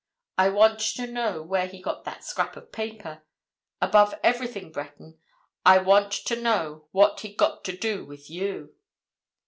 I want to know where he got that scrap of paper. Above everything, Breton, I want to know what he'd got to do with you!"